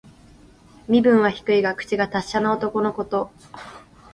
身分は低いが、口が達者な男のこと。